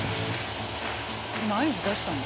今合図出したの？